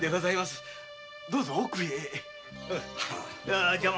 さどうぞ。